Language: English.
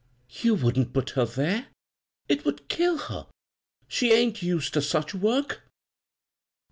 " You wouldn't put her there I It would kill her] She ain't used ter sudi work."